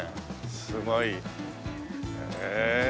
すごい。へえ。